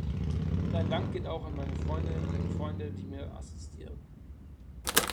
Und ein Dank geht auch an meine Freundinnen und Freunde, die mir assistieren.